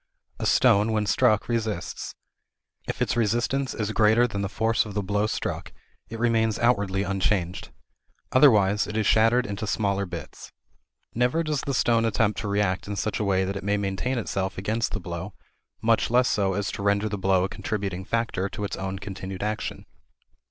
A stone when struck resists. If its resistance is greater than the force of the blow struck, it remains outwardly unchanged. Otherwise, it is shattered into smaller bits. Never does the stone attempt to react in such a way that it may maintain itself against the blow, much less so as to render the blow a contributing factor to its own continued action.